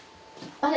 あれ？